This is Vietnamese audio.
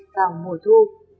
vào mùa thu